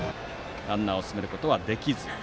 ランナーを進めることはできず。